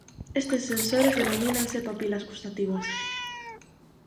Estes sensores denomínanse papilas gustativas.